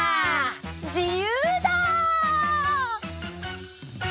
じゆうだ！